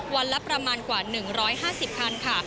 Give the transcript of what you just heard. วันละประมาณกว่า๑๕๐คันค่ะ